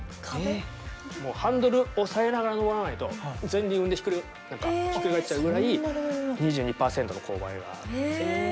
もうハンドル押さえながら上らないと前輪浮いてひっくり返っちゃうぐらい２２％の勾配が。え。